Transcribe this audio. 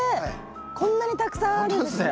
こんなにたくさんあるんですね。